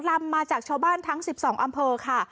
ลำมาจากชาวบ้านทั้ง๑๒อำเภอค่ะ